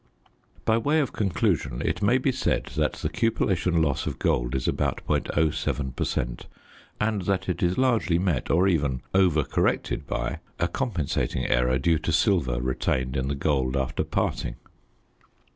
By way of conclusion it may be said that the cupellation loss of gold is about .07 per cent., and that it is largely met or even over corrected by a compensating error due to silver retained in the gold after parting.